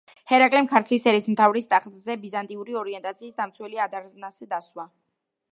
ჰერაკლემ ქართლის ერისმთავრის ტახტზე ბიზანტიური ორიენტაციის დამცველი ადარნასე დასვა.